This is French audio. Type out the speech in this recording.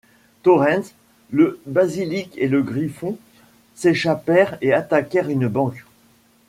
Taurens, le Basilic et le Griffon s'échappèrent et attaquèrent une banque.